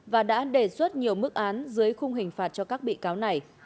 và đã đề xuất nhiều mức án dưới khung hình phạt cho các bị cáo này